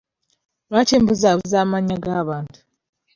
Lwaki mbuzabuza amanya g'abantu?